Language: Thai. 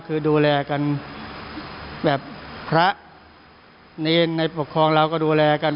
คือดูแลกันแบบพระเนรในปกครองเราก็ดูแลกัน